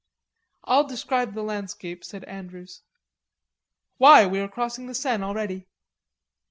"I'll describe the landscape," said Andrews. "Why, we are crossing the Seine already."